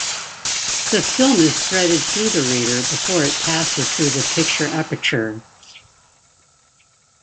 The film is threaded through the reader before it passes through the picture aperture.